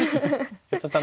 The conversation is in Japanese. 安田さん